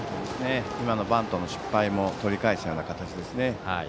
バントの失敗も取り返したような形ですね。